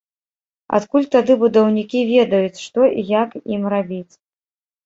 Адкуль тады будаўнікі ведаюць, што і як ім рабіць?